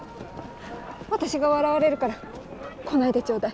私が笑われるから来ないでちょうだい。